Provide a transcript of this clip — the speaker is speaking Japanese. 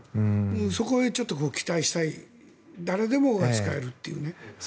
そこへ期待したい誰でもが使えるというね。